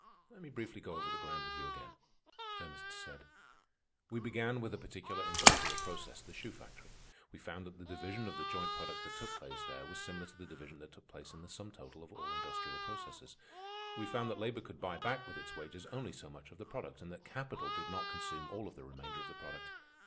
"Let me briefly go over the ground with you again," Ernest said. "We began with a particular industrial process, the shoe factory. We found that the division of the joint product that took place there was similar to the division that took place in the sum total of all industrial processes. We found that labor could buy back with its wages only so much of the product, and that capital did not consume all of the remainder of the product.